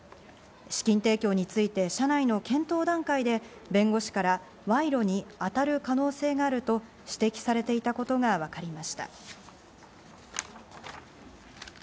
資金提供について、社内の検討段階で弁護士から賄賂に当たる可能性があると指摘されていたことがわかりました。